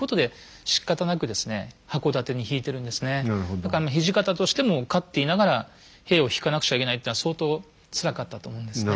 だから土方としても勝っていながら兵をひかなくちゃいけないっていうのは相当つらかったと思うんですね。